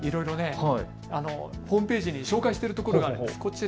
ホームページに紹介しているところがあるんです。